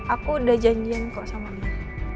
aku udah janjian kok sama dia